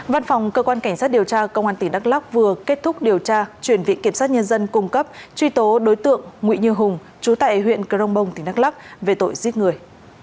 văn phòng cơ quan cảnh sát điều tra công an tp hcm vừa kết thúc điều tra chuyển vị kiểm sát nhân dân cung cấp truy tố đối tượng nguyễn như hùng chú tại huyện crongbong tp hcm về tội giết người